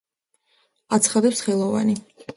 აცხადებს ხელოვანი.